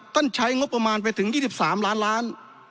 ใช้งบประมาณไปถึง๒๓ล้านล้าน